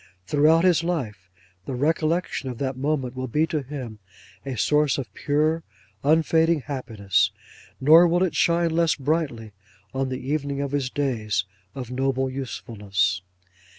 Throughout his life, the recollection of that moment will be to him a source of pure, unfading happiness; nor will it shine less brightly on the evening of his days of Noble Usefulness.